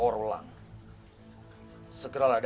orang orang yang berada di sini